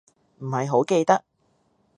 唔係好記得